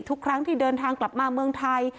ทุกครั้งที่เดินทางกลับมาเมืองไทย